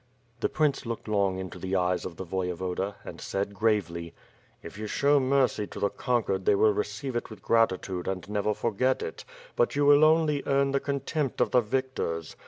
The prince looked long into the eyes of the Voyevoda and said gravely: "If you show mercy to the conquered they will receive it with gratitude and never forget it, but you will only earn the contempt of the victors.